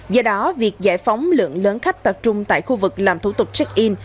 do đó việc giải phóng lượng lớn khách tập trung tại khu vực làm thủ tục check in